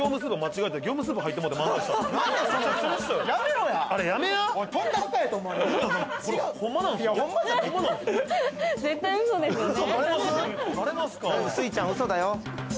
すいちゃん、うそだよ。